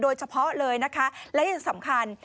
โดยเฉพาะเลยนะคะและยังสำคัญ